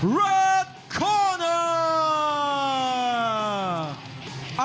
แรดคอร์น่า